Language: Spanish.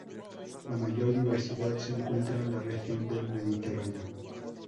La mayor diversidad se encuentra en la región del Mediterráneo.